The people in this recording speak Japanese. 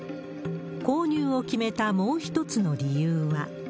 購入を決めたもう一つの理由は。